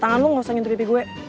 tangan lu gak usah nyentuh pipi gue